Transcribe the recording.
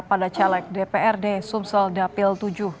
pada caleg dprd sumsel dapil tujuh